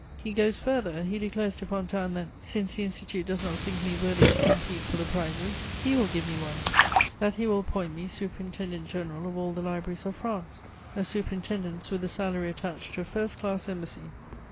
He goes further, he declares to Fontanes that, since the Institute does not think me worthy to compete for the prizes, he will give me one, that he will appoint me superintendent general of all the libraries of France: a superintendence with the salary attached to a first class embassy.